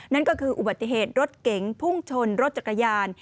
นั่นก็คืออุบัติเหตุรถเก๋งพุ่งชนรถจักรยาน